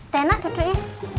tena duduk ya